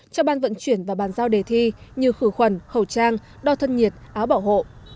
cho ban vận chuyển và bàn giao đề thi như khử khuẩn hậu trang đo thân nhiệt áo bảo hộ